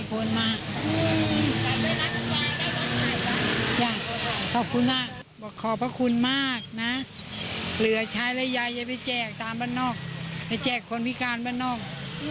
ขอบคุณมากบอกขอบพระคุณมากนะเหลือใช้แล้วยายจะไปแจกตามบ้านนอกไปแจกคนพิการบ้านนอก